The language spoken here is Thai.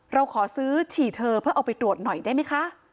เราขอซื้อฉี่เธอเพื่อเอาไปตรวจหน่อยได้ไหมคะ